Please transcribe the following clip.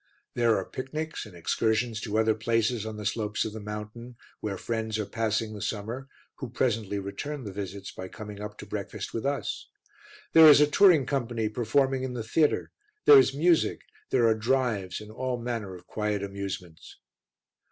There are picnics and excursions to other places on the slopes of the mountain where friends are passing the summer who presently return the visits by coming up to breakfast with us. There is a touring company performing in the theatre, there is music, there are drives and all manner of quiet amusements.